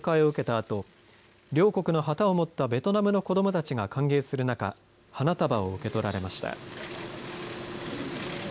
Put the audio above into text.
あと両国の旗を持ったベトナムの子どもたちが歓迎する中花束を受け取られました。